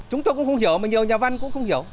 chúng tôi cũng không hiểu mà nhiều nhà văn cũng không hiểu